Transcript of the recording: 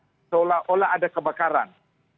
seolah olah ada kebakaran